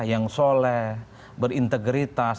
yang soleh berintegritas